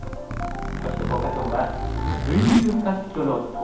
そしてフォーカス・オンは「群雄割拠の到来か！